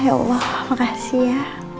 ya allah makasih ya